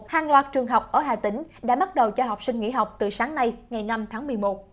hàng loạt trường học ở hà tĩnh đã bắt đầu cho học sinh nghỉ học từ sáng nay ngày năm tháng một mươi một